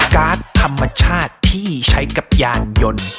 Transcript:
การ์ดธรรมชาติที่ใช้กับยานยนต์